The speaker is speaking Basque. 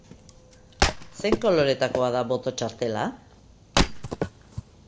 Zein koloretakoa da boto-txartela?